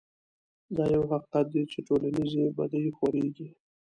دا يو حقيقت دی چې ټولنيزې بدۍ خورېږي.